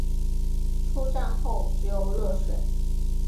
出站后只有热水